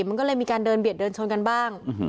มันก็เลยมีการเดินเบียดเดินชนกันบ้าง